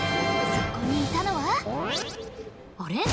そこにいたのはあれ？